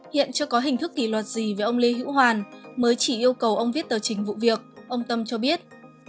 hiện chưa có hình thức kỷ luật gì với ông lê hữu hoàn mới chỉ yêu cầu ông viết tờ trình vụ việc ông tâm cho biết